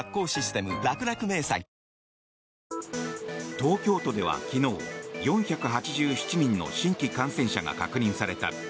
東京都では昨日４８７人の新規感染者が確認された。